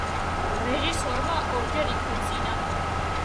რეჟისორმა ორჯერ იქორწინა.